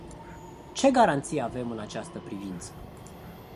Ce garanții avem în această privință?